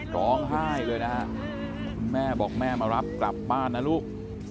ร้องไห้เลยนะฮะคุณแม่บอกแม่มารับกลับบ้านนะลูก